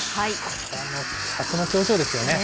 この気迫の表情ですよね。